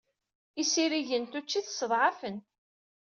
Isirigen n tuččit sseḍɛafen.